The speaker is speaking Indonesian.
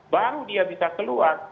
baru dia bisa keluar